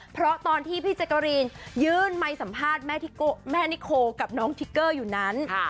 เพราะตอนที่พี่แจ๊กกะรีนยื่นไมค์สัมภาษณ์แม่นิโคกับน้องทิกเกอร์อยู่นั้น